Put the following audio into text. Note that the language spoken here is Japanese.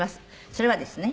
それはですね。